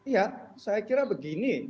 ya saya kira begini